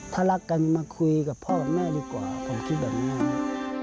ถ้ารักกันมาคุยกับพ่อกับแม่ดีกว่าผมคิดแบบนั้น